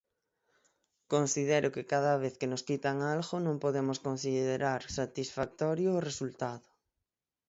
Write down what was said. Considero que cada vez que nos quitan algo non podemos considerar satisfactorio o resultado.